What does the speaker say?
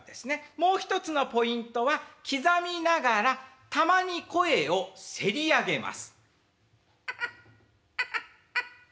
もう一つのポイントは刻みながらたまに声をせり上げます。